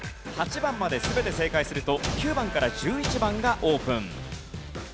８番まで全て正解すると９番から１１番がオープン。